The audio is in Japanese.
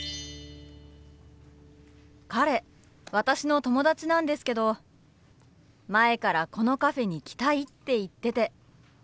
彼私の友達なんですけど前からこのカフェに来たいって言ってて。